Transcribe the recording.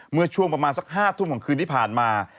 เมื่อช่วงประมาณสัก๕ทุ่มของคืนที่ผ่านมา